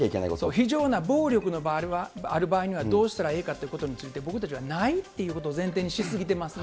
非常な暴力のある場合には、どうしたらいいかということについて、僕たちはないっていうことを前提にし過ぎてますね。